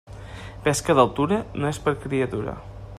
Pesca d'altura, no és per criatura.